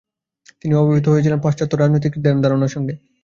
তিনি অবহিত হয়েছিল পাশ্চাত্য রাজনৈতিক ধ্যানধারণার সঙ্গে।